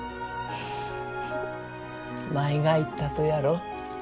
舞が言ったとやろ